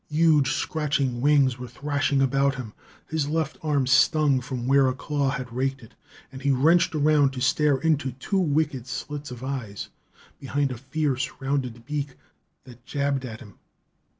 Huge scratching wings were thrashing about him; his left arm stung from where a claw had raked it; and he wrenched around to stare into two wicked slits of eyes behind a fierce, rounded beak that jabbed at him.